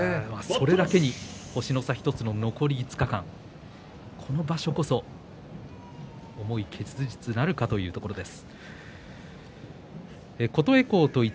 それだけ星の差１つの残り５日間、この場所こそ思い結実なるかというところです。